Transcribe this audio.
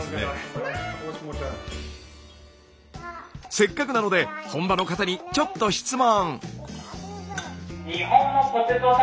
せっかくなので本場の方にちょっと質問。